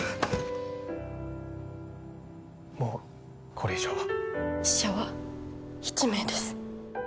もうこれ以上は死者は１名です